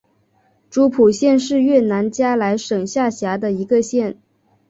诸蒲县是越南嘉莱省下辖的一个县。